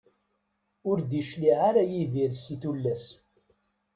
Ur d-icliε ara Yidir si tullas.